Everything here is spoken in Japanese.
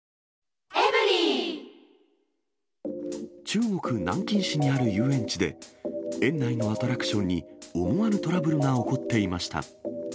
中国・南京市にある遊園地で、園内のアトラクションに思わぬトラブルが起こっていました。